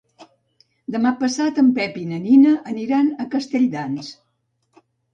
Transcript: Demà passat en Pep i na Nina aniran a Castelldans.